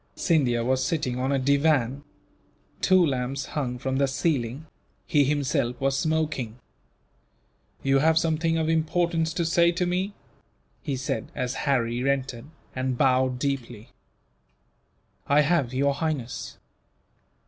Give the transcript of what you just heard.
Scindia was sitting on a divan. Two lamps hung from the ceiling. He himself was smoking. "You have something of importance to say to me?" he said, as Harry entered, and bowed deeply. "I have, Your Highness.